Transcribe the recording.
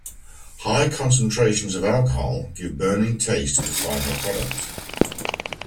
High concentrations of alcohol give burning taste to the final product.